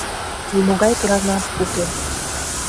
Нимогай гранат уке!